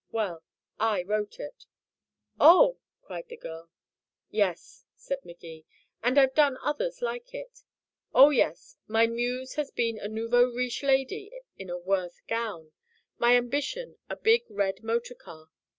Well, I wrote it " "Oh!" cried the girl. "Yes," said Magee, "and I've done others like it. Oh, yes, my muse has been a nouveau riche lady in a Worth gown, my ambition a big red motor car.